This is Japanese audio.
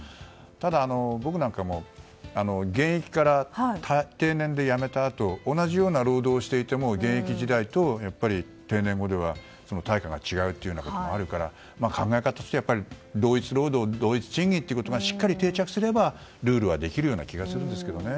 ただ僕なんかも現役から定年で辞めたあと同じような労働をしていても現役時代と定年後では対価が違うということもあるから考え方として同一労働同一賃金ということがしっかり定着すればルールはできる気がするんですけどね。